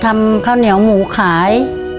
ทำข้าวเหนียวหมูขาย